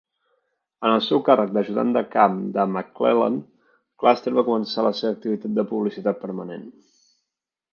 En el seu càrrec d'ajudant de camp de McClellan, Custer va començar la seva activitat de publicitat permanent.